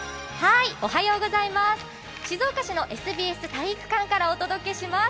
静岡市のＳＢＳ体育館からお伝えします。